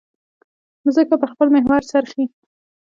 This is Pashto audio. مځکه پر خپل محور څرخي.